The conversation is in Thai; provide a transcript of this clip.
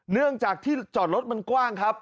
เนื่องจากที่จอดรถมันกว้างครับ